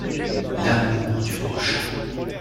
L’amour du prochain.